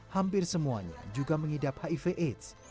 hampir semuanya juga mengidap hiv aids